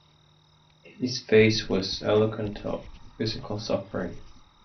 His face was eloquent of physical suffering.